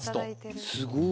すごい。